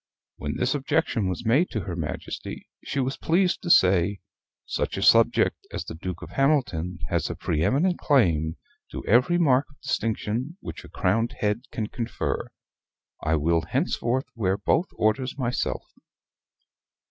When this objection was made to her Majesty, she was pleased to say, "Such a subject as the Duke of Hamilton has a pre eminent claim to every mark of distinction which a crowned head can confer. I will henceforth wear both orders myself."